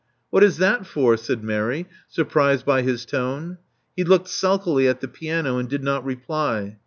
What is that for?" said Mary, surprised by his tone. He looked sulkily at the piano, and did not reply.